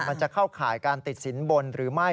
มันจะเข้าข่ายการติดสินบนหรือไม่